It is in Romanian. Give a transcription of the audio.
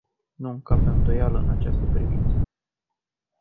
Nu încape îndoială în această privință.